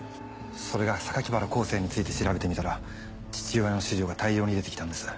それが原康生について調べてみたら父親の資料が大量に出て来たんです。